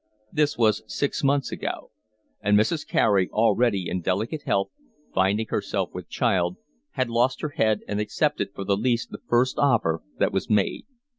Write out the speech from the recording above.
This was six months ago; and Mrs. Carey, already in delicate health, finding herself with child, had lost her head and accepted for the lease the first offer that was made.